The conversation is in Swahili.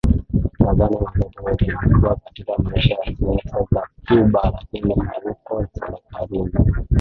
nadhani wakati wote amekuwa katika maisha ya siasa za Cuba lakini hayuko serikalini